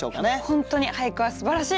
本当に俳句はすばらしいです！